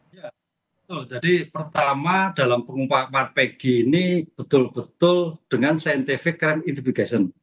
iya betul jadi pertama dalam pengumpulan pegi ini betul betul dengan scientific crime investigation